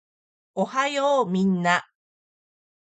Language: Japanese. おはようみんな